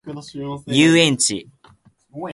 遊園地